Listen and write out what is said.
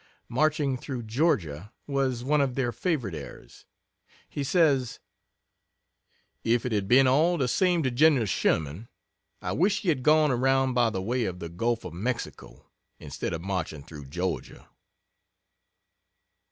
"Marching Through Georgia" was one of their favorite airs. He says: "If it had been all the same to Gen. Sherman, I wish he had gone around by the way of the Gulf of Mexico, instead of marching through Georgia."